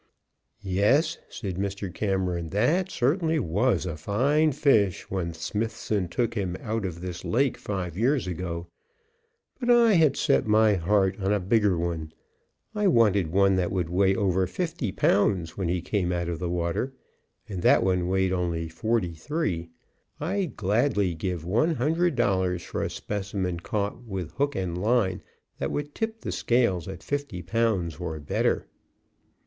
"Yes," said Mr. Cameron, "that certainly was a fine fish when Smithson took him out of this lake five years ago; but I had set my heart on a bigger one. I wanted one that would weigh over fifty pounds when he came out of the water, and that one weighed only forty three. I'd gladly give one hundred dollars for a specimen caught with hook and line that would tip the scales at fifty pounds or better."